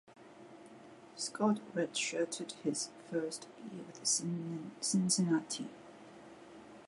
Scott redshirted his first year with Cincinnati.